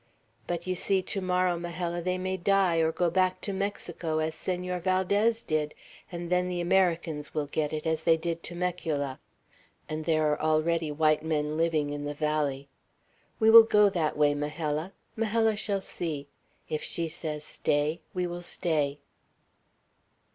But you see, to morrow, Majella, they may die, or go back to Mexico, as Senor Valdez did, and then the Americans will get it, as they did Temecula. And there are already white men living in the valley. We will go that way, Majella. Majella shall see. If she says stay, we will stay."